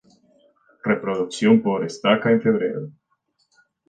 Reproducción por estaca en febrero.